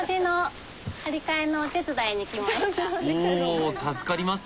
お助かります。